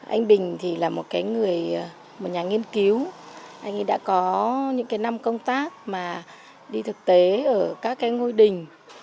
anh bình thì là một nhóm nghiên cứu anh ấy đã có những cái năm công tác mà đi thực tế ở các ngôi đình